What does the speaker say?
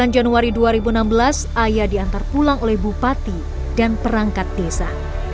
sembilan januari dua ribu enam belas ayah diantar pulang oleh bupati dan perangkat desa